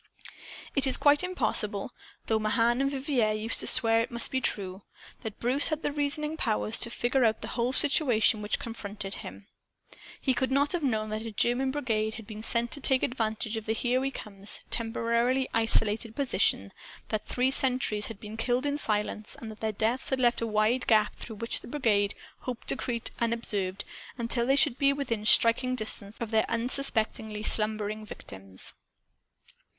It is quite impossible (though Mahan and Vivier used to swear it must be true) that Bruce had the reasoning powers to figure out the whole situation which confronted him. He could not have known that a German brigade had been sent to take advantage of the "Here We Comes" temporarily isolated position that three sentries had been killed in silence and that their deaths had left a wide gap through which the brigade hoped to creep unobserved until they should be within striking distance of their unsuspectingly slumbering victims.